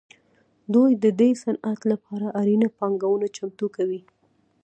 دوی د دې صنعت لپاره اړینه پانګونه چمتو کوي